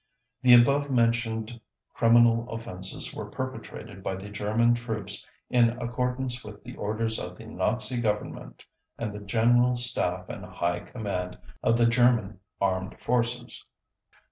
The above mentioned criminal offenses were perpetrated by the German troops in accordance with the orders of the Nazi Government and the General Staff and High Command of the German armed forces.